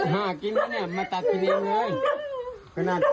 หากกินแล้วเนี่ยมาตัดกินเองเลย